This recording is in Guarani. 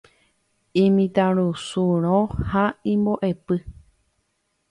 Imitãrusúrõ ha imbo'epy.